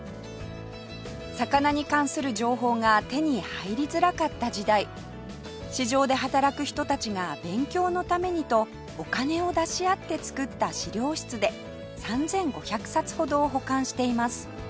魚に関する情報が手に入りづらかった時代市場で働く人たちが勉強のためにとお金を出し合って作った資料室で３５００冊ほどを保管しています